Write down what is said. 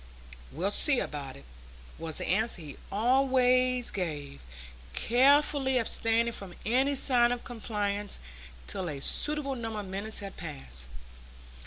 "We'll see about it," was the answer he always gave, carefully abstaining from any sign of compliance till a suitable number of minutes had passed.